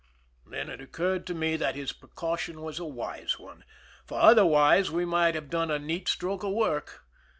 Then it occurred to me that his precaution was a wise one, for other wise we might have done a neat stroke of work.